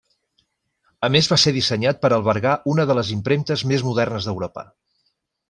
A més va ser dissenyat per albergar una de les impremtes més modernes d'Europa.